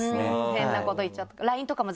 「変なこと言っちゃった」。